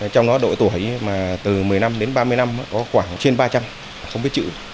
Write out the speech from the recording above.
trong đó độ tuổi từ một mươi năm đến ba mươi năm có khoảng trên ba trăm linh không biết chữ